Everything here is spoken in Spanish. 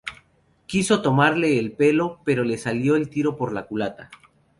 Quiso tomarle el pelo pero le salió el tiro por la culata